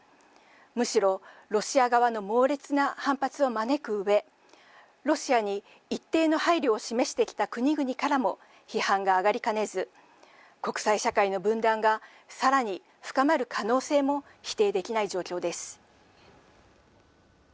むしろ、ロシア側の猛烈な反発を招くうえ、ロシアに一定の配慮を示してきた国々からも批判が上がりかねず、国際社会の分断がさらに深まる可能性も否定できない状況です。